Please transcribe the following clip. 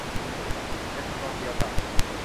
ในทำนองเดียวกับ